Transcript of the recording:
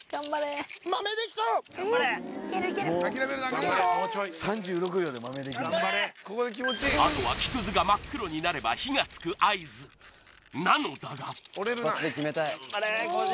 頑張れあとは木屑が真っ黒になれば火がつく合図なのだが頑張れ康二